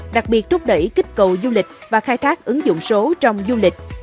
đặc biệt rút đẩy kích cầu du lịch và khai thác ứng dụng số trong du lịch